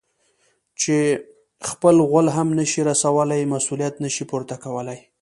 چې خپل غول هم نه شي رسولاى؛ مسؤلیت نه شي پورته کولای.